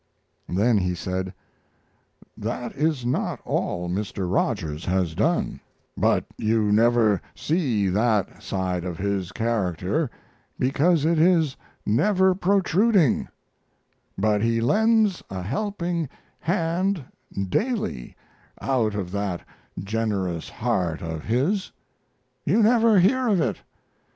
Then he said: That is not all Mr. Rogers has done, but you never see that side of his character because it is never protruding; but he lends a helping hand daily out of that generous heart of his. You never hear of it.